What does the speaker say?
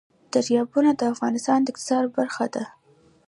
دریابونه د افغانستان د اقتصاد برخه ده.